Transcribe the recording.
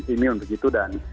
imil begitu dan